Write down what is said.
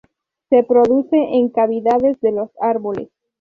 Se reproduce en cavidades de los árboles.